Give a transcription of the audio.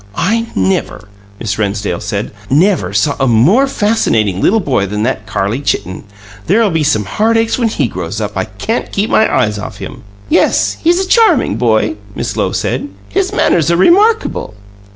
"I never," Miss Rennsdale said, "never saw a more fascinating little boy than that Carlie Chitten. There'll be some heartaches when he grows up; I can't keep my eyes off him." "Yes; he's a charming boy," Miss Lowe said. "His manners are remarkable."